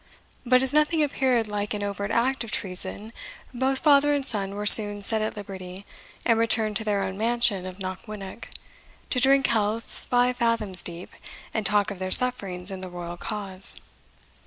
But as nothing appeared like an overt act of treason, both father and son were soon set at liberty, and returned to their own mansion of Knockwinnock, to drink healths five fathoms deep, and talk of their sufferings in the royal cause.